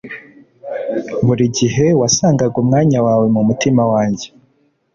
Buri gihe wasangaga umwanya wawe mumutima wanjye